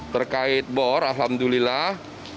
terkait bor alhamdulillah